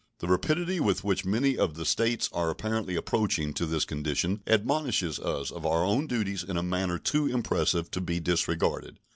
The rapidity with which many of the States are apparently approaching to this condition admonishes us of our own duties in a manner too impressive to be disregarded.